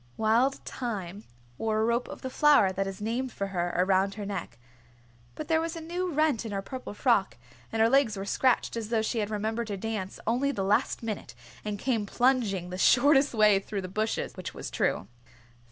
Wild Thyme wore a rope of the flower that is named for her around her neck, but there was a new rent in her purple frock and her legs were scratched as though she had remembered her dance only the last minute and come plunging the shortest way through bushes, which was true.